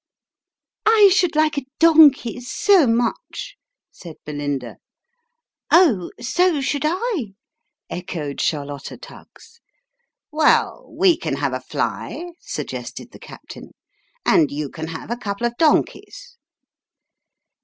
" I should like a donkey so much," said Belinda. " Oh, so should I !" echoed Charlotta Tuggs. " Well, we can have a fly," suggested the captain, " and you can have a couple of donkeys."